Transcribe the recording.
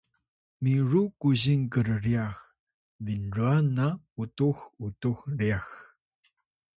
miru kuzing krryax binrwan na utux utux ryax